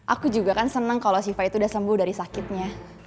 aku juga kan senang kalau si fai itu udah sembuh dari sakitnya